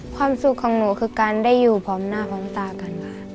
ความสุขของหนูคือการได้อยู่พร้อมหน้าพร้อมตากันค่ะ